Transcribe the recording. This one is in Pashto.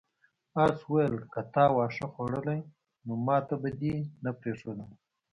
آس وویل که تا واښه خوړلی نو ماته به دې نه پریښودل.